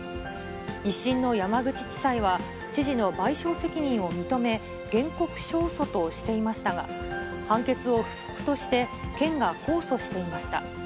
１審の山口地裁は、知事の賠償責任を認め、原告勝訴としていましたが、判決を不服として、県が控訴していました。